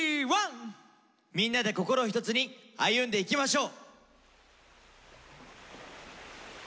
みんなで心を一つに歩んでいきましょう！